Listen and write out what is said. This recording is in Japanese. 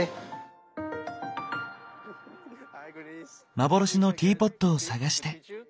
幻のティーポットを探して。